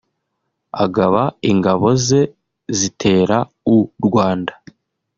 agaba ingabo ze zitera u Rwanda